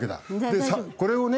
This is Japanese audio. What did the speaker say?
でこれをね